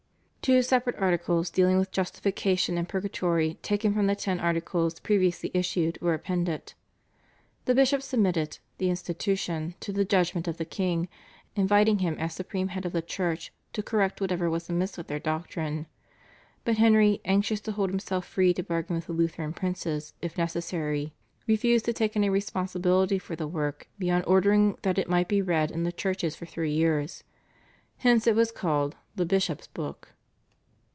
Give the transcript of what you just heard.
Two separate articles dealing with justification and purgatory taken from the Ten Articles previously issued were appended. The bishops submitted /The Institution/ to the judgment of the king, inviting him as supreme head of the Church to correct whatever was amiss with their doctrine, but Henry, anxious to hold himself free to bargain with the Lutheran princes if necessary, refused to take any responsibility for the work beyond ordering that it might be read in the churches for three years. Hence it was called the /Bishop's Book